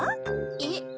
えっ？